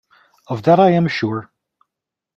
Of that I am sure.